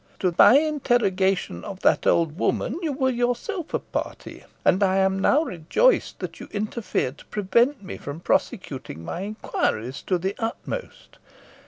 To my interrogation of that old woman, you were yourself a party, and I am now rejoiced that you interfered to prevent me from prosecuting my inquiries to the utmost.